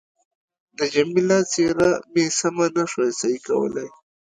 د جميله څېره مې سمه نه شوای صحیح کولای.